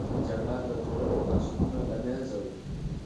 جګړه د ټولنې بنسټونه له منځه وړي.